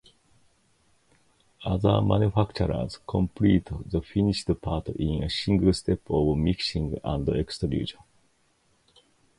Other manufacturers complete the finished part in a single step of mixing and extrusion.